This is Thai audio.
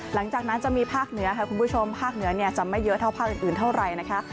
หลังจากนั้นจะมีภาคเหนือค่ะคุณผู้ชมภาคเหนือจะไม่เยอะเท่าภาคอื่นเท่าไหร่นะคะ